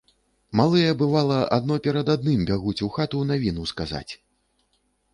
Малыя, бывала, адно перад адным бягуць у хату навіну сказаць.